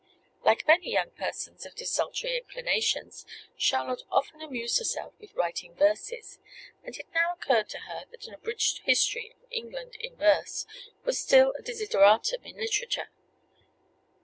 Like many young persons of desultory inclinations, Charlotte often amused herself with writing verses; and it now occurred to her that an abridged history of England in verse was still a desideratum in literature.